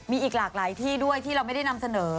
มีอีกหลากหลายที่ด้วยที่เราไม่ได้นำเสนอ